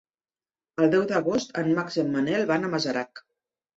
El deu d'agost en Max i en Manel van a Masarac.